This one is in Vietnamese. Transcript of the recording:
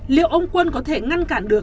liệu ông quân có thể ngăn cản được